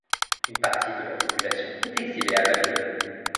Une partie de la population est exilée à Babylone.